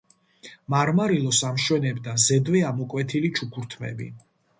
მარმარილოს ამშვენებდა ზედვე ამოკვეთილი ჩუქურთმები.